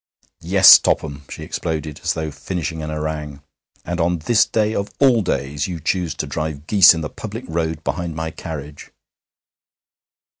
'Yes, Topham!' she exploded, as though finishing an harangue. 'And on this day of all days you choose to drive geese in the public road behind my carriage!'